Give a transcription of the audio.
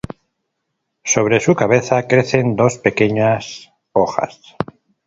Sobre su cabeza crecen dos pequeñas hojas.